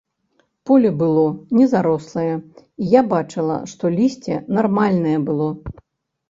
Поле было не зарослае, і я бачыла, што лісце нармальнае было.